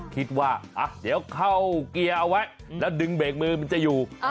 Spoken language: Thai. คิดว่าเดี๋ยวเข้าเกียร์เอาไว้แล้วดึงเบรกมือมันจะอยู่